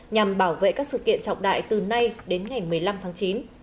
nhằm bảo vệ các sự kiện trọng đại từ nay đến ngày một mươi năm tháng chín